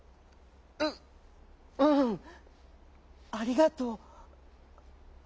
「ううんありがとう」。